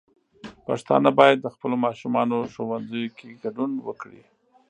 پښتانه بايد د خپلو ماشومانو ښوونځيو کې ګډون وکړي.